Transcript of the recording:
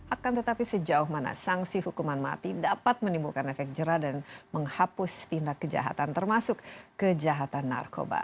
akan tetapi sejauh mana sanksi hukuman mati dapat menimbulkan efek jerah dan menghapus tindak kejahatan termasuk kejahatan narkoba